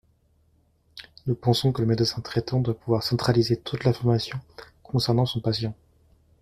Nous pensons que le médecin traitant doit pouvoir centraliser toute l’information concernant son patient.